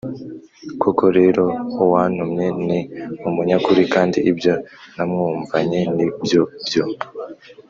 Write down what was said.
Koko rero uwantumye ni umunyakuri kandi ibyo namwumvanye ni byo byo